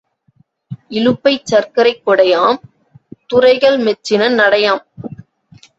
இலுப்பைச் சர்க்கரைக் கொடையாம் துரைகள் மெச்சின நடையாம்.